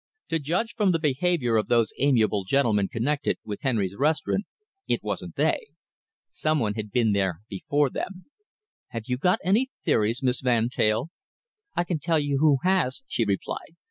To judge from the behaviour of those amiable gentlemen connected with Henry's Restaurant, it wasn't they. Some one had been before them. Have you any theories, Miss Van Teyl?" "I can tell you who has," she replied.